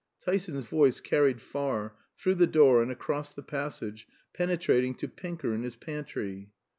Tyson's voice carried far, through the door and across the passage, penetrating to Pinker in his pantry.